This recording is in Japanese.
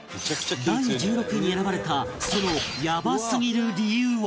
第１６位に選ばれたそのヤバすぎる理由は？